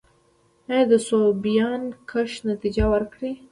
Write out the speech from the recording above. آیا د سویابین کښت نتیجه ورکړې؟